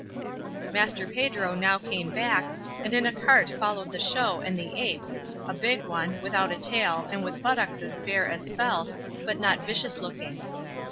Master Pedro now came back, and in a cart followed the show and the ape a big one, without a tail and with buttocks as bare as felt, but not vicious looking.